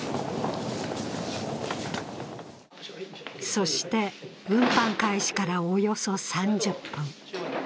そして運搬開始から、およそ３０分。